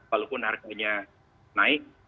walaupun harganya naik